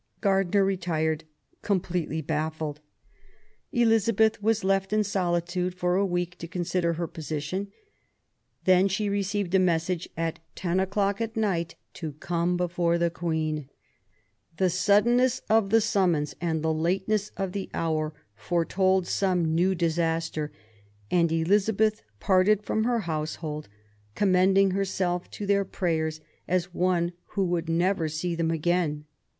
Gardiner retired com pletely baffled. Elizabeth was left in solitude for a week to consider her position. Then she received a message, at ten o'clock at night, to come before the Queen. The suddenness of the summons and the lateness of the hour foretold some new disaster, and Elizabeth parted from her household, commending herself to their prayers as one who would never see them again.